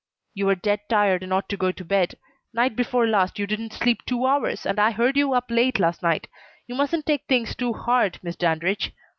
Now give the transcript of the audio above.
"You are dead tired and ought to go to bed. Night before last you didn't sleep two hours, and I heard you up late last night. You mustn't take things too hard, Miss Dandridge."